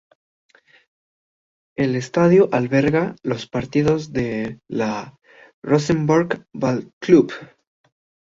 El estadio alberga los partidos de la Rosenborg Ballklub.